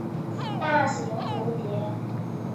大型蝴蝶。